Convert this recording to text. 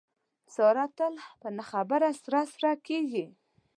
ساره تل په نه خبره سره سره کېږي.